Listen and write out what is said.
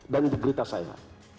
dan berita saya